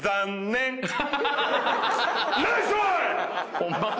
ホンマか？